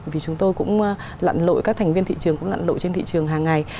vì chúng tôi cũng lặn lội các thành viên thị trường cũng lặn lội trên thị trường hàng ngày